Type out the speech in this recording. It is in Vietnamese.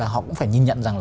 họ cũng phải nhìn nhận rằng